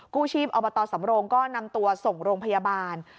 กู้ชีพอบตสำโรงก็นำตัวส่งโรงพยาบาล